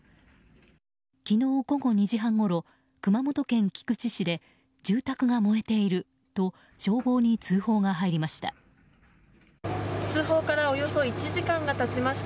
昨日午後２時半ごろ熊本県菊池市で住宅が燃えていると消防に通報が入りました。